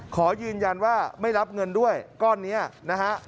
ขอยืนยันว่าไม่รับเงินด้วยก้อนนี้นะฮะ